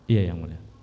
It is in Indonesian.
iya yang mulia